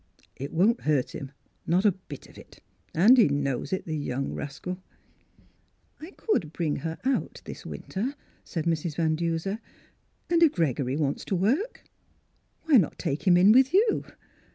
" It won't hurt him, not a bit of it. And he knows it, the young rascal !"" I could bring her out this winter," said Mrs. Van Duser, " and if Gregory wants to work why not take him in with you